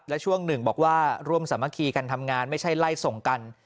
และช่วงหนึ่งบอกว่าร่วมสามัคคีกันทำงานไม่ใช่ไล่ส่งกัน